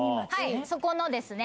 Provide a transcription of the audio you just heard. そこのですね